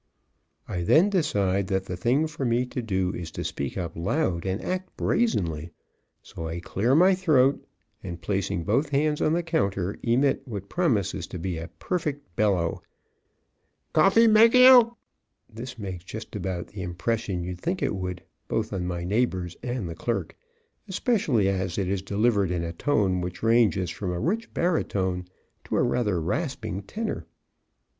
I then decide that the thing for me to do is to speak up loud and act brazenly. So I clear my throat, and, placing both hands on the counter, emit what promises to be a perfect bellow: "COFFEE, MEGG AND ILK." This makes just about the impression you'd think it would, both on my neighbors and the clerk, especially as it is delivered in a tone which ranges from a rich barytone to a rather rasping tenor.